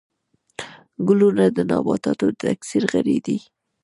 ګلونه د نباتاتو د تکثیر غړي دي